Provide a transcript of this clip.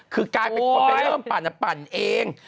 คือกลายเป็นเรื่องปั่นเอง